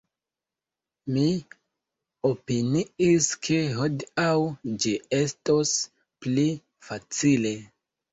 Mi opiniis, ke hodiaŭ ĝi estos pli facile!